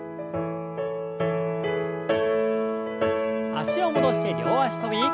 脚を戻して両脚跳び。